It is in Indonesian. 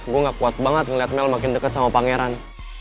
gue gak kuat banget ngeliat mel makin dekat sama pangeran